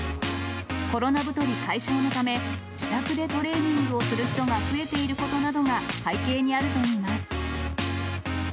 コロナ太り解消のため、自宅でトレーニングをする人が増えていることなどが背景にあるといいます。